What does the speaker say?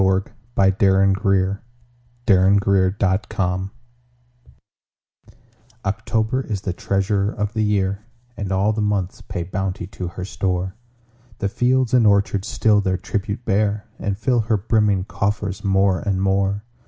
Paul Laurence Dunbar October OCTOBER is the treasurer of the year, And all the months pay bounty to her store: The fields and orchards still their tribute bear, And fill her brimming coffers more and more.